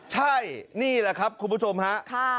ใช่นี่แหละครับคุณผู้ชมฮะ